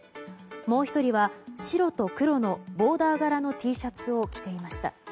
もう１人は白と黒のボーダー柄のＴシャツを着ていました。